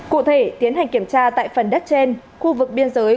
cụ thể tiến hành kiểm tra tại phần đất trên khu vực biên giới